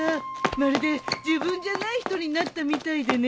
まるで自分じゃない人になったみたいでね。